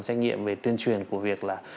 trách nhiệm về tuyên truyền của việc là